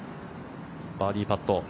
バーディーパット。